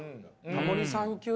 タモリさん級。